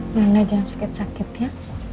marina jangan sakit sakit ya